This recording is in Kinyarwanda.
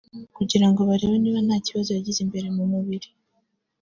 kugira ngo barebe niba nta kibazo yagize imbere mu mubiri